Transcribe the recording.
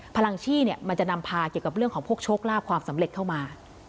พลังชี่เนี่ยมันจะนำพาเกี่ยวกับเรื่องของพวกโชคลาภความสำเร็จเข้ามา